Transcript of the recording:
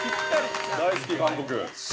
大好き、韓国。